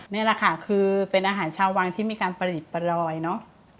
นี่แหละค่ะคือเป็นอาหารชาววังที่มีการประดิษฐ์ประรอยเนอะ